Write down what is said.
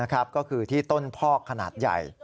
ก็คือที่ต้นพอกขนาดใหญ่